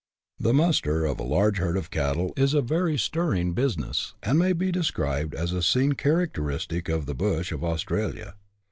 The muster of a large herd of cattle is a very stirring business, and may be described as a scene characteristic of " the Bush " of Australia.